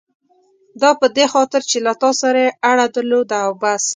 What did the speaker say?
دا په دې خاطر چې له تا سره یې اړه درلوده او بس.